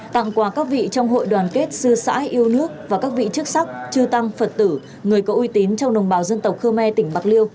tặng quà các vị trong hội đoàn kết sư sãi yêu nước và các vị chức sắc chư tăng phật tử người có uy tín trong đồng bào dân tộc khơ me tỉnh bạc liêu